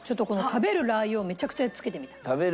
食べるラー油をめちゃめちゃつけて。